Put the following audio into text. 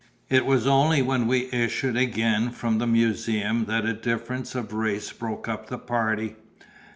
It was only when we issued again from the museum that a difference of race broke up the party.